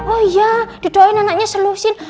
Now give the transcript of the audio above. oh iya didoain anaknya selusin